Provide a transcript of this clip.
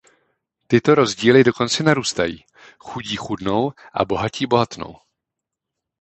Tyto rozdíly dokonce narůstají; chudí chudnou a bohatí bohatnou.